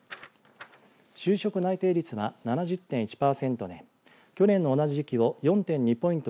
就職内定率は７０．１パーセントで去年の同じ時期を４．２ポイント